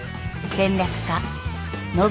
戦略家。